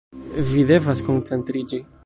Vi devas koncentriĝi.